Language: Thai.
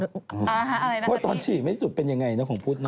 อะไรนะครับพี่เพราะว่าตอนฉี่ไม่สุดเป็นอย่างไรเนอะของพุทธเนอะ